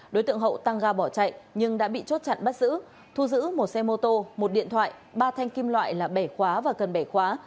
đối tượng hậu tăng ga bỏ chạy nhưng đã bị chốt chặn bắt giữ thu giữ một xe mô tô một điện thoại ba thanh kim loại là bẻ khóa và cần bẻ khóa